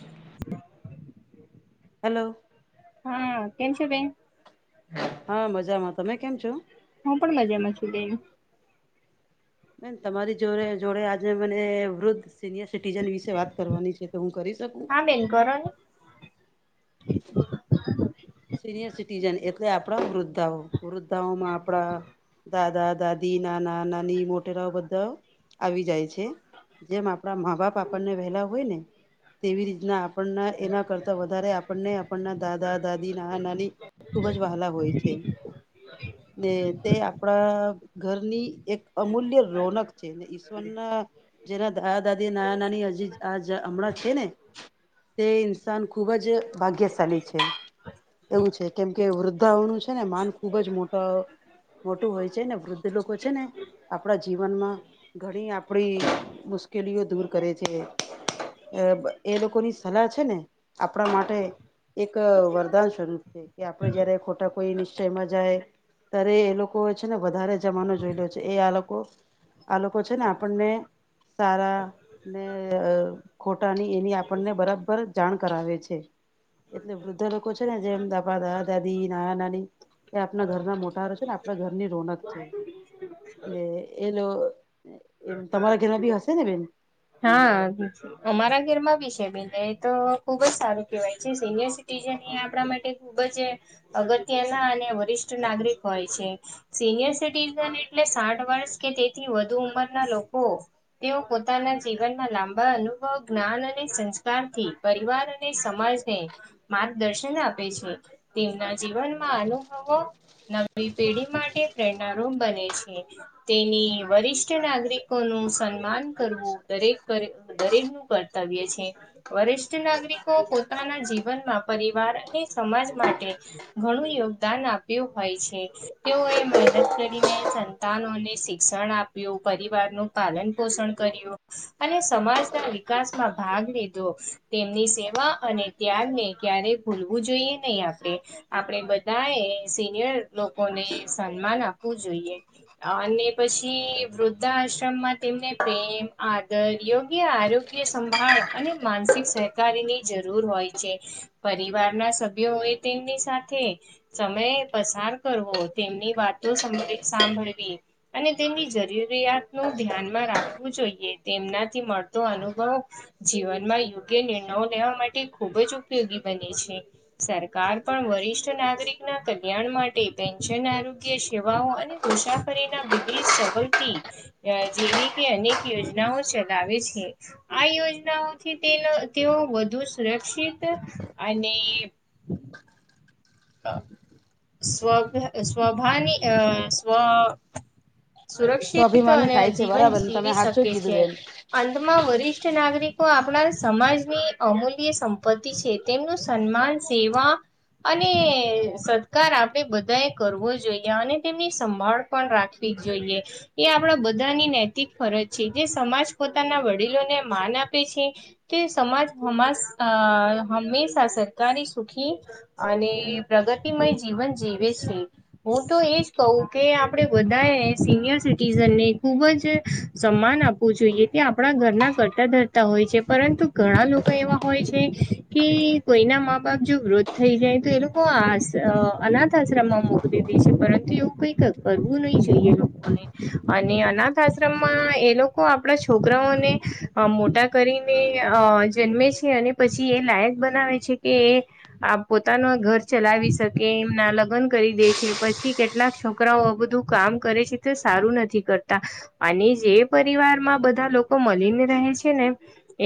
[inaudible] હાલો. હા કેમ છે બેન? હા મજામાં તમે કેમ છો. હું પણ મજામાં છું બેન. બેન તમારી જોડે જોડે આજે મને વૃદ્ધ સિનિયર સિટીજન વિશે વાત કરવાની છે, તો હું કરી શકું? હા બેન કરોની. સિનિયર સિટીઝન એટલે આપણા વૃદ્ધાઓ વૃદ્ધાઓમાં આપણા, દાદા, દાદી, નાના, નાની મોટેરાઓ બધા આવી જાય છે. જેમ આપણા માં બાપ આપણને વહેલા હોય ને, તેવી રીતના આપણના એના કરતા વધારે આપણને આપણના દાદા દાદી, નાના નાની ખુબ જ વહલા હોય છે. ને તે આપણા ઘરની એક અમૂલ્ય રોનક છે ને ઈશ્વરના જેના દાદા દાદી, નાના નાની હજી આ જ હમણાં છે ને, તે ઇન્સાન ખૂબ જ ભાગ્યશાલી છે. એવું છે કેમ કે વૃદ્ધાઓનું છે ને માન ખુબ જ મોટા મોટું હોય છે ને વૃદ્ધ લોકો છે ને, આપણા જીવનમાં ઘણી આપડી મુશ્કેલીઓ દૂર કરે છે, એ લોકોની સલાહ છે ને, આપણા માટે એક વરદાન સ્વરૂપ છે કે આપડે જયારે ખોટા કોઈ નિશ્ચયમાં જાય, ત્યારે એ લોકો છે ને વધારે જમાનો જોઈ લો છે એ આ લોકો આ લોકો છે ને આપણને સારાં ને ખોટાની એની આપણને બરાબર જાણ કરાવે છે. એટલે વૃદ્ધા લોકો છે ને જેમ [unintelligible] દાદા દાદી, નાના નાની. એ આપણા ઘરના મોટારો છે ને આપણા ઘરની રોનક છે, ને એલો એમ તમારા ઘેરના બી હશે ને બેન. હા અમારા ઘરમાં બી છે બેન. તો ખૂબ જ સારું કહેવાય છે, સિનિયર સિટીઝન એ આપણા માટે ખૂબ જ અગત્યના અને વરિષ્ઠ નાગરિક હોય છે. સિનિયર સિટીઝન એટલે સાઠ વર્ષ કે તેથી વધુ ઉંમરના લોકો, તેઓ પોતાના જીવનમાં લાંબા અનુભવ જ્ઞાન અને સંસ્કારથી, પરિવાર અને સમાજને, માર્ગદર્શન આપે છે, તેમના જીવનમાં અનુભવો નવી પેઢી માટે પ્રેરણા રૂમ બને છે, તેની વરિષ્ઠ તે નાગરિકો નું સન્માન કરવું દરેક દરેક નું કર્તવ્ય છે. વરિષ્ઠ નાગરિકો પોતાના જીવનમાં પરિવાર અને સમાજ માટે ઘણું યોગદાન આપ્યું હોય છે, તેઓ એ મહેનત કરીને તાનોને શિક્ષણ આપવું પરિવારનું પાલન- પોષણ કર્યું અને સમાજના વિકાસમાં ભાગ લીધો. તેમની સેવા અને ત્યાગને ક્યારે ભૂલવું જોઈએ, નહીં આપણે. આપણે બધાએ સિનિયર લોકોને સન્માન આપવું જોઈએ. હા અને પછી વૃદ્ધા આશ્રમમાં તેમને પ્રેમ આદર યોગ્ય આરોગ્ય સંભાળ અને માનસિક સે ની જરૂર હોય છે પરિવારના સભ્યો એ તેમની સાથે સમય પસાર કરવો તેમની વાતો સમળી સાંભળવી. અને તેમની જરીય જરુરીયાત નું ધ્યાનમાં રાખવું જોઈએ તેમનાથી મળતો અનુભવ જીવનમાં યોગ્ય નિર્ણયો લેવા માટે ખૂબ જ ઉપયોગી બને છે. સરકાર પણ વરિષ્ઠ નાગરિકના કલ્યાણ માટે પેન્શન આરોગ્ય સેવાઓ અને મુસાફરીના વિવિધ સવલ તી જેવી કે અનેક યોજનાઓ ચલાવે છે. આ યોજનાઓથી તેનો તેઓ વધુ સુરક્ષિત અને અ સ્વભ સ્વભાની અહ સ્વ સુરક્ષિત સ્વાભિમાની અને થાય છે જીવન બરાબર તમે જીવી હાચું શકે કીધું છે. બેન અંતમાં વરિષ્ઠ નાગરિકો આપણા સમાજની અમૂલ્ય સંપત્તિ છે. તેમનું સન્માન, સેવા અને હ સત્કાર આપે બધા એ કરવો જોઈએ અને તેમની સંભાળ પણ રાખવી જોઈએ. એ આપડા બધાની નૈતિક ફરજ છે જે સમાજ પોતાના વડીલોને માન આપે છે. તે સમાજ હમાસ હંમેશા સહકારી સુખી અને પ્રગતિમય જીવન જીવે છે. હું તો એજ કવ કે આપડે બધાએ સિનિયર સિટીઝનને ખુબ જ સંમાન આપવું જોઈએ તે આપણા ઘરના કરતા ધરતા હોય છે પરંતુ ઘણા લોકો એવા હોય છે કે કોઈના મા બાપ જો વ્રધ થઈ જાય તો એ લોકો આસ અનાથ આશ્રમમાં મોકલી દેસે છે પરંતુ એવું કઈક કરવું નહી જોઈએ લોકોને અને અનાથ આશ્રમમાં એ લોકો આપડા છોકરાઓને અ મોટા કરીને જન્મે છે અને પછી લાયક બનાવે છે કે એ આપ પોતાનું ઘર ચલાવી શકે એમના લગ્ન કરી દે છે પછી કેટલાક છ છોકરાઓ આ બધું કામ કરે છે તે સારું નથી કરતા. અને જે પરિવારમાં બધા લોકો મલીને રહે ને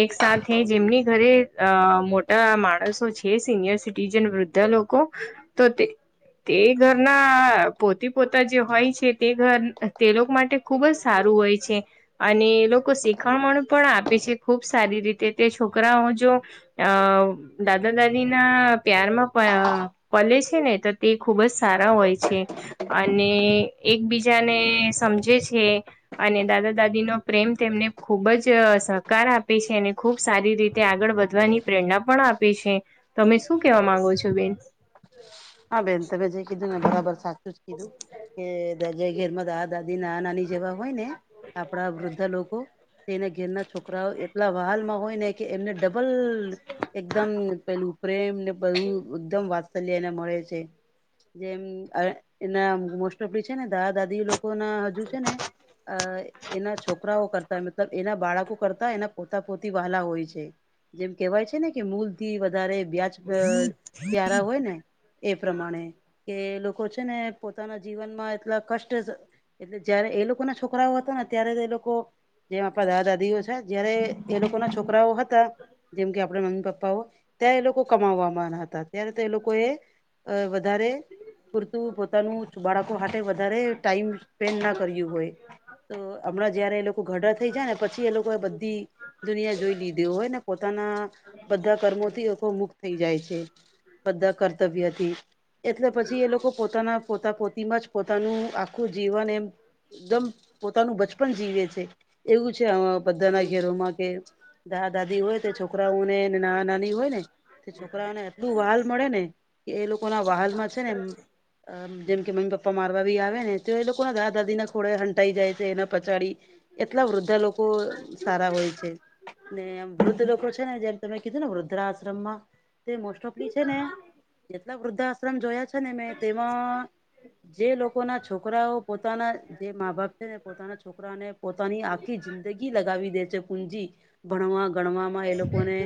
એક સાથે જેમની ઘરે અ મોટા માણસો છે સિનિયર જન વૃદ્ધા લોકો તો તે તે ઘરના પોતે પોતા જે હોય છે તે ઘર તે લોકો માટે ખુબ જ સારું હોય છે. અને એ લોકો શીખવાણ પણ આપે છે ખુબ સારી રીતે તે છોકરાઓ જો અ દાદા દાદીના પ્યારમાં પ પલે છે ને તો તે ખૂબ જ સારા હોય છે. અને એકબીજાને સમજે છે. અને દાદા દાદીનો પ્રેમ તેમને ખુબ જ સહકાર આપે છે અને ખૂબ સારી રીત તે આગળ વધવાની પ્રેરણા પણ આપે છે તમે શું કેવા માંગો છો બેન. હા બેન તમે જે કીધું ને બરાબર સાચું જ કીધું. કે દાજે ઘેર માં દાદા દાદી નાના નાની જેવા હોય ને આપડા વૃદ્ધા લોકો તેને ઘેરના છોકરાઓ એટલા વહાલમાં હોય ને કે એમને ડબલ એકદમ પેલું પ્રેમ ને બહુ એકદમ વાત્સલ્યને મળે છે જેમ એના મોસ્ટફલી છે ને દાદા દાદી લો કોના હજુ છે ને અ એના છોકરાઓ કરતા મતલબ એના બાળકો કરતા એના પોતા પોતી વહલા હોય છે. જેમ કેવાય છે ને કે મૂલ થી વધારે વ્યાજ પ્યારા હોય ને. એ પ્રમાણે કે લોકો છે ને પોતાના જીવનમાં એટલા કષ્ટ એટલે જયારે એ લોકોના છોકરાઓ હતા ને ત્યારે એ જ લોકો જેમ આપણા દાદા દાદીઓ છે જયારે એ લોકો ના છોકરાઓ હતા જેમ કે આપણા મમ્મી પપ્પાઓ ત્યાં એ લોકો કમાવવામાં હતા ત્યારે તો એ લોકો એ અ વધારે પૂરતું પોતાનું બાળકો હાતે વધારે ટાઈમ પેન ના કર્યું હોય તો હમણાં જયારે એ લોકો ઘરડા થઈ જાય ને પછી એ લોકો બધી દુનિયા જોઈ લીધી હોય ને પોતાના બધા કર્મોથી અથવા મુક્ત થઈ જાય છે. બધા કર્તવ્યથી એટલે પછી એ લોકો પોતાના પોતા પોતીમાં જ પોતાનું આખું જીવન એમ એકદમ પોતાનું બચપન જીવે છે એવું છે અ બધાના ઘેરોમાં કે દાદા દાદી હોય તે છોકરાઓને નાના નાની હોય ને છોકરાઓને એટલું વહાલ મળે ને એ લોકો ના વહાલ માં છે ને જેમ કે મમ્મી પ મારવા બી આવે ને તો એ લોકો ના દાદા દાદીને ખોડે હંટાઈ જાય છે એને પછાડી એટલા વૃદ્ધા લોકો સારા હોય છે. ને વૃદ્ધ લોકો છે ને જેમ તમે કીધું ને વૃદ્ધા આશ્રમમાં તે મોસ્ટ ઓફલી છે ને [unintelligible] જેટલા વૃદ્ધાશ્રમ જોયા છે ને મેં તેમાં જે લોકો ના છોકરાઓ પોતાના જે મા બાપ છે ને પોતાના છોકરાને પોતાની આખી જિંદગી લગાવી દે છે કુંજી ભણવા ગણવામાં એ લોકોને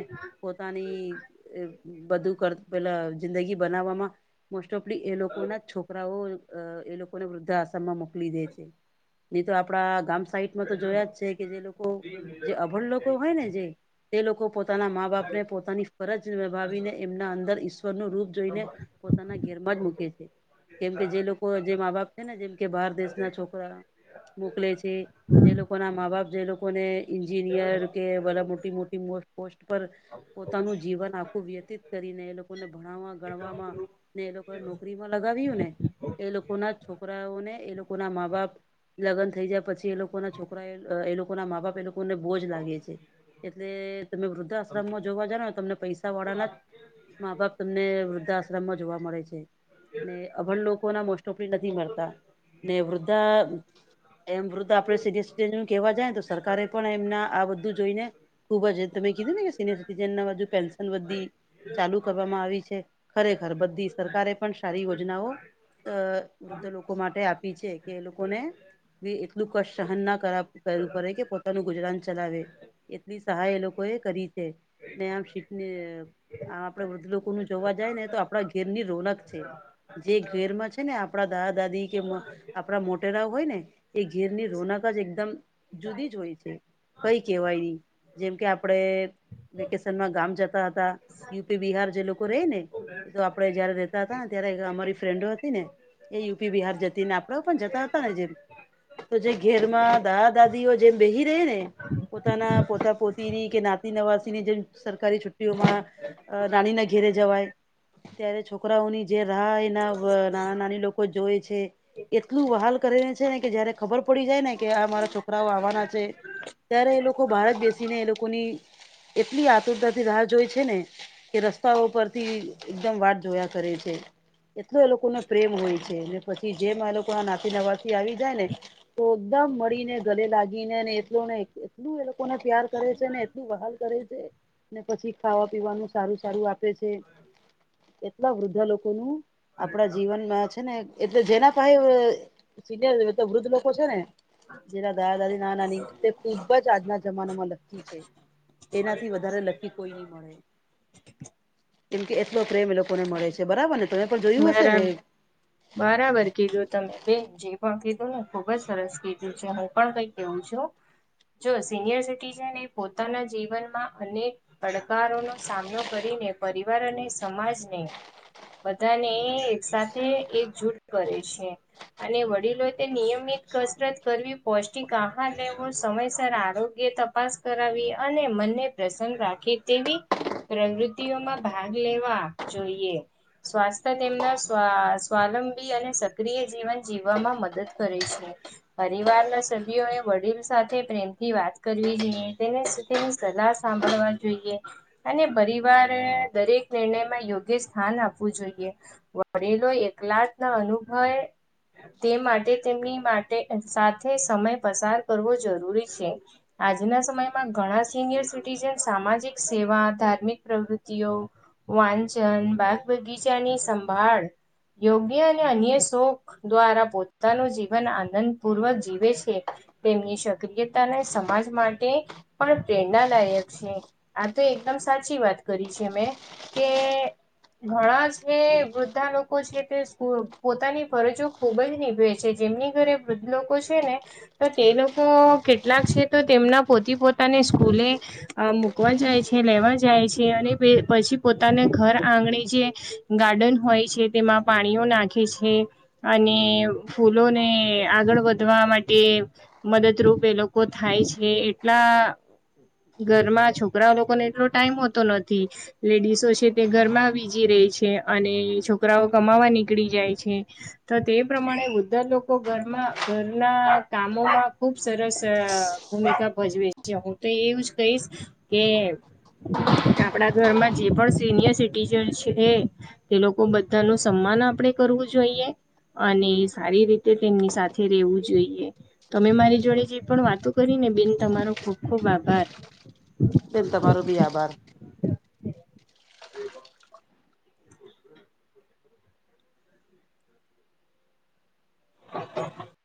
પોતાની બધું કર પેલા જિંદગી બનાવવામાં મોસ્ટ ઓફલી એ લોકો ના છોકરાઓ એ લોકોને વૃદ્ધા આશ્રમમાં મોકલી દે છે, ની તો આપડા ગામ તો તો જોયા જ છે કે જે લોકો જે અભડ લોકો હોય ને જે તે લોકો પો પોતાના મા બાપને પોતાની ફરજ નિભાવીને એમના અંદર ઈશ્વરનું રૂપ જોઈને પોતાના ઘેરમાં જ મૂકે છે કેમ કે જે લોકો [inaudible] જે મા બાપ છે ને જેમ કે બહાર દેશના છોકરા મોકલે છે, જે લોકો માં બાપ જે લોકો કો ઈન્જિનિયર કે બધા મોટી મોટી પોસ્ટ પર પોતાનું જીવન આખું વ્યતીત કરીને એ લોકોને ભણવા ગણવામાં ને એ લોકો નોકરી માં લગાવ્યું ને એ લોકો ના છોકરાઓ ને એ લોકોના મા બાપ લગન થઈ જયા પછી એ લોકો ના છોકરા એ લોકો ના મા બાપ કોને બોજ લાગે છે, એટલે તમે વૃદ્ધ આશ્રમમાં જોવા જાવો ને તમને પૈસા વાળા મા બાપ તમને વૃદ્ધાશ્રમમાં જોવા મળે છે. ને અભણ લોકો ના મોસ્ટોપલી નથી મળતા ને વૃદ્ધા એમ વૃદ્ધ આપણે [unintelligible] કહેવા જાયને સરકારે પણ એમના આ બધું જોઈને ખુબ જ તમે કીધું ને કે સિનિયર સિટીઝન નું હજુ પેન્શન વધી ચાલુ કરવામાં આવી છે, ખરેખર બધી સરકારે પણ સારી યોજનાઓ અ વૃદ્ધ લોકો માટે આપી છે, કે એ લોકોને કે એટલું કષ્ટ સહન ના કર કરવું પડે કે પોતાનું ગુજરાન ચલાવે, એટલી સહાય એ લોકો એ કરી છે ને આમ શી આ આપડે વૃદ્ધ લોકો નું જોવા જાય ને તો આપણા ઘેરની રોનક છે. જે ઘેરમાં છે ને આપણા દાદા દાદી કે આપણા મોટેરા હોય ને એ ઘેરની રોનક જ એકદમ જુદી જ હોય છે. કઈ કેહેવાય નઈ જેમ કે આપડે વેકેશનમાં ગામ જતા હતા. યુપી બિહાર જે લોકો રે ને એ તો આપડે જયારે રેતા હતા ને ત્યારે એ અમારી ફ્રેન્ડો હતી ને એ યુપી બિહાર જતી ને આપડા પણ જતા હતા ને જેમ તો જે ઘેરમાં દાદા દાદીઓ જેમ બેહી રહે ને પોતાના પોતા પોતીની કે નાતિ નવાસી ની જેમ સરકારી છુ્ટીઓમાં અ નાની ના ઘેરે જવાય ત્યારે છોકરાઓની જે રાહ એના વ નાના નાની લોક કો જોવે છે એટલું વહાલ કરે ને છે ને કે જયારે ખબર પડી જાય ને કે આ મારા છોકરાઓ આવવાના છે ત્યારે એ લોકો બહાર જ બેસીને એ લોકોની એટલી આતુરતા થી રાહ જોઈ છે ને કે રસ્તાઓ પરથી એકદમ વાટ જોયા કરે છે. એટલો એ લોકોને પ્રેમ હોય છે અને પછી જેમ આ લોકો આ નાસી નવાથી આવી જાય ને તો એકદમ મળીને ગલે લાગીને અને એટલો ને એટલું એ લોકોને પ્યાર કરે છે ને એટલું વહાલ કરે છે ને પછી ખાવા પીવાનું સારું સારું આપે છે એટલા વૃદ્ધા લોકોનું આપડા જીવનમાં છે ને એટલે જેના પાહે સિનિયર તો વૃદ્ધ લોકો છે ને જેના દાદ દાદી નાના નાની તે ખૂબ જ આજના જમાનામાં લક્કી છે. એનાથી વધારે લક્કી કોઈ ની મળે. કેમ કે એટલો પ્રેમ એ લોકોને મળે છે બરાબર ને તમે પણ જોયું હશે બરા ને. બરાબર કીધું તમે બેન જે પણ કીધું ને ખુબ જ સરસ કીધું છે હું પણ કઈ કેવું છું જો સિનિયર સિટીઝન એ પોતાના જીવનમાં અનેક પડકારો નો સામનો કરીને પરિવાર અને સમાજને બધાને એક સાથે એક જૂટ કરે છે. અને વડીલો તે નિયમિત કસરત કરવી પૌષ્ટિક આહાર લેવો સમયસર આરોગ્ય ત તપાસ કરાવી અને મનને પ્રસન્ન રાખે તેવી પ્રવૃતિઓમાં ભાગ લેવા જોઈએ સ્વાસ્થ્ય તેમના સ્વા સ્વાલંબી અને સક્રિય જીવન જીવવામાં મદદ કરે છે. પરિવારના સભ્યોને વડીલ સાથે પ્રેમથી વાત કરવી જોઈએ તેને તેની સલાહ સાંભળવા જોઈએ. અને પરિવારે દરેક નિર્ણયમાં યોગ્ય સ્થાન આપવું જોઈએ. વડિલો એકલા જ ના અનુભવે તે માટે તેમની માટે સાથે સમય પસાર કરવો જરૂરી છે. આજના સમયમાં ઘણા સિનિયર સિટીજન સામાજિક સેવા ધાર્મિક પ્રવૃતિઓ વાંચન બાગબગીચાની સંભાળ યોગ્ય અને અન્ય શોખ દ્વારા પોતાનું જીવન આનંદપૂર્વક જીવે છે. તેમની સક્રિયતાને સમાજ માટે પણ પ્રેરણાદાયક છે આ તો એકદમ સાચી વાત કરી છે મેં કે ઘણા છે વૃદ્ધા લોક કો છે તે સ્પુર પોતાની ફરજો ખૂબ જ નીભવે છે જેમની ઘરે વૃદ્ધ લોકો છે ને તો તે લોકો કેટલાક છે તો તેમના પોતી પોતાને સ્કૂલે અ મૂકવા જાય છે લેવા જાય છે અને પે પછી પોતાને ઘર આંગણે જે ગાર્ડન હોય છે તેમાં પાણીઓ નાખે છે. અને ફૂલોને આગળ વધવા માટે મદદરૂપ એ લોકો થાય છે એટલા ઘરમાં છોકરા લોકોને એટલો ટાઈમ હોતો નથી. લેડીસો છે તે ઘરમાં બીજી રેય છે અને છોકરાઓ કમાવા નીકળી જાય છે. તો તે પ્રમાણે ઉદ્ધર લોકો ઘરમાં ઘરના કામોમાં ખુબ સરસ ભૂમિકા ભજવે છે હું તો એવુજ કહીશ કે આપડા ઘરમાં જે પણ સિનિયર સિટીજન છે તે લોકો બધાનું સન્માન આપણેે કરવું જોઈએ. અને સારી રીતે તેમની સાથે રહેેવું જોઈએ. તમે મારી જોડે જે પણ વાતો કરીને બેન તમારો ખુબ ખુબ આભાર. બેન તમારો બી આભાર. [inaudible]